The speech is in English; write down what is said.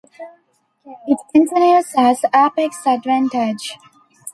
It continues as ApexAdvantage.